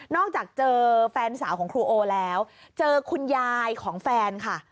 อกจากเจอแฟนสาวของครูโอแล้วเจอคุณยายของแฟนค่ะ